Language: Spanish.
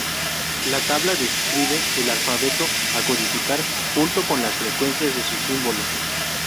La tabla describe el alfabeto a codificar, junto con las frecuencias de sus símbolos.